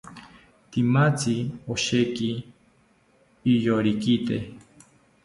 Tzimatzi osheki iyorikite